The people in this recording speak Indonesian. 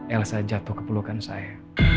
elsa jatuh ke pelukan saya